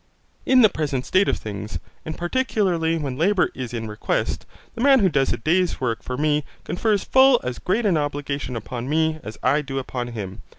In the present state of things, and particularly when labour is in request, the man who does a day's work for me confers full as great an obligation upon me as I do upon him.